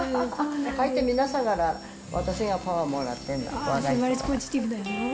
かえって皆さんから私がパワーもらってんの。